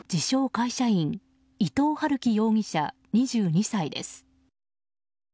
会社員伊藤龍稀容疑者、２２歳です。